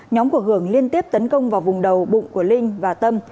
nhóm của hưởng liên tiếp tấn công vào vùng đầu bụng của linh và tâm